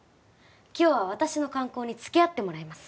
今日は私の観光につきあってもらいます